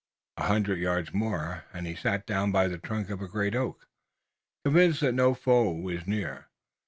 A hundred yards more, and he sat down by the trunk of a great oak, convinced that no foe was near.